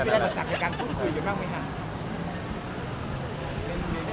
ผมออสตรีดีค่ะ